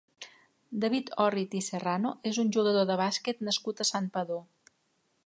David Òrrit i Serrano és un jugador de bàsquet nascut a Santpedor.